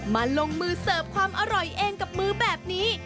มาลงมือเสิร์ฟความอร่อยเองกับมือแบบนี้